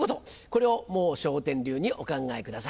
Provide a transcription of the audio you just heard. これをもう笑点流にお考えください。